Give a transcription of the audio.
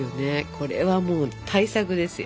これはもう大作ですよ。